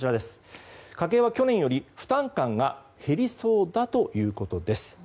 家計は去年より負担感が減りそうだということです。